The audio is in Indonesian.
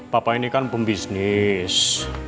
papa ini kan pembisnis